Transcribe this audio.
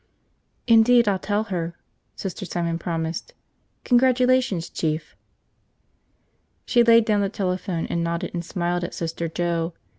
"Indeed I'll tell her," Sister Simon promised. "Congratulations, Chief." She laid down the telephone and nodded and smiled at Sister Joe.